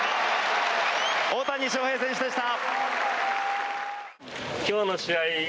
大谷翔平選手でした。